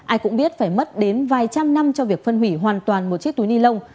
ai cũng biết phải mất đến vài trăm năm cho việc phân hủy hoàn toàn một chiếc túi ni lông